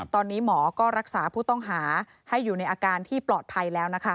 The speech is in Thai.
ตอนนี้หมอก็รักษาผู้ต้องหาให้อยู่ในอาการที่ปลอดภัยแล้วนะคะ